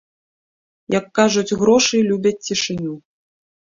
Як кажуць, грошы любяць цішыню.